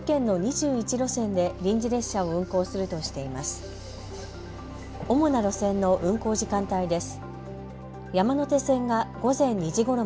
主な路線の運行時間帯です。